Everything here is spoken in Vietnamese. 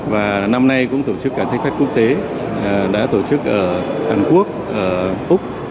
và năm nay cũng tổ chức cả techfest quốc tế đã tổ chức ở hàn quốc ở úc